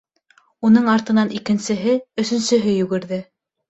Уның артынан икенсеһе, өсөнсөһө йүгерҙе.